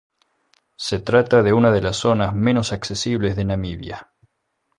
Se trata de una de las zonas menos accesibles de Namibia.